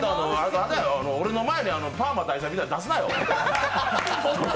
俺の前にパーマ大佐みたいの出すなよ。